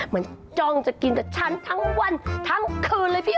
มันจ้องจะกินกับฉันทั้งวันทั้งคืนเลยพี่